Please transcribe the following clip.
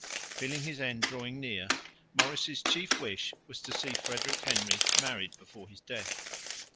Feeling his end drawing near, Maurice's chief wish was to see Frederick Henry married before his death.